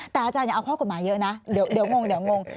แต่อาจารย์เอาข้อกฎหมายเยอะนะเดี๋ยวงงเดี๋ยวงง